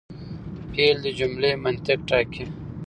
فعل د جملې منطق ټاکي.